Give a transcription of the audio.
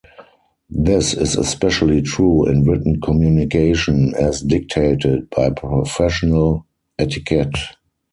This is especially true in written communication, as dictated by professional etiquette.